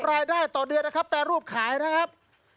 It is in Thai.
รายได้ต่อเดือนนะครับแปรรูปขายนะครับ